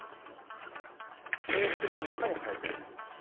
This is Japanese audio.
円錐の中に入る。